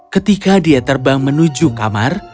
ketika dia terbang menuju kamar